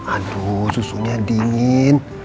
aduh susunya dingin